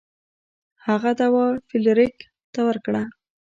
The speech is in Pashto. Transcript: هغه دوا فلیریک ته ورکړه.